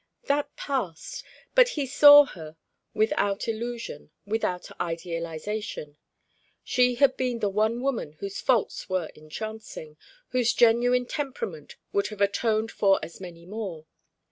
That passed; but he saw her without illusion, without idealisation. She had been the one woman whose faults were entrancing, whose genuine temperament would have atoned for as many more.